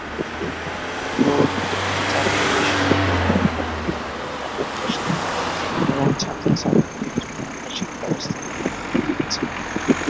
বোর্ড/জাতীয় বিশ্ববিদ্যালয়ের পরীক্ষার পূর্বে মডেল টেস্ট নেওয়া এবং ছাত্র/ছাত্রীদের জন্য আবাসিক ব্যবস্থা গ্রহণ করা হয়েছে।